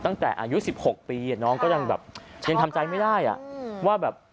ตั้งแต่อายุสิบหกปีก็ยังทำใจไม่ได้นะครับ